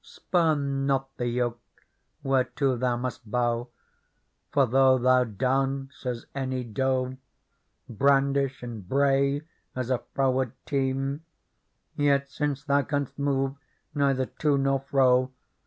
Spurn not the yoke whereto thou must bow : For, though thou dance as any doe. Brandish and bray as a froward team. Yet, since thou canst move neither to nor fro.